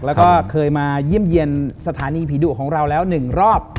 แล้วก็เคยมาเยี่ยมเยี่ยมสถานีผีดุของเราแล้ว๑รอบ